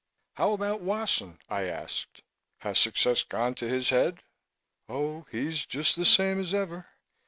"How about Wasson?" I asked. "Has success gone to his head?" "Oh, he's just the same as ever.